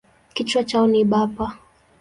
Kichwa chao ni bapa.